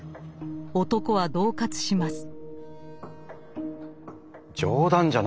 男は恫喝します。